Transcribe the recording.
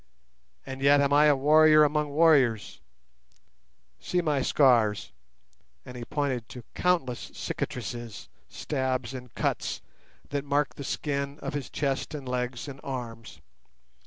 And yet am I a warrior among warriors; see my scars"—and he pointed to countless cicatrices, stabs and cuts, that marked the skin of his chest and legs and arms.